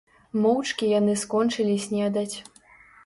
Моўчкі яны скончылі снедаць.